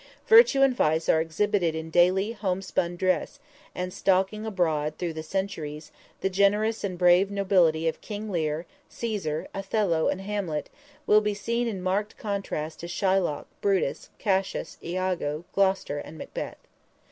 Virtue and vice are exhibited in daily, homespun dress, and stalking abroad through the centuries, the generous and brave nobility of King Lear, Cæsar, Othello, and Hamlet, will be seen in marked contrast to Shylock, Brutus, Cassius, Iago, Gloster and Macbeth.